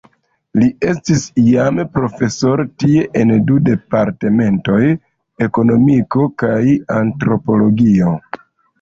Li estis iame profesoro tie en du departementoj, Ekonomiko kaj Antropologio.